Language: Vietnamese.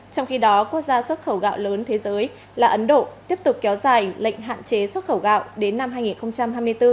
trong khi đó quốc gia xuất khẩu gạo lớn thế giới là ấn độ tiếp tục kéo dài lệnh hạn chế xuất khẩu gạo đến năm hai nghìn hai mươi bốn